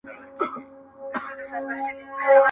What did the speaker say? مګر ولي، پښتانه لوستونکي -